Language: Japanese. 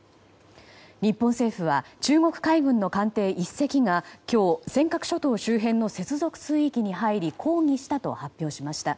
日本政府は中国海軍の艦艇１隻が今日、尖閣諸島周辺の接続水域に入り抗議したと発表しました。